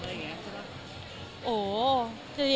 ตัวแทนเลยไงใช่ปะ